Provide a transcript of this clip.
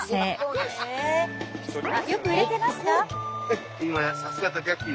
よく売れてますか？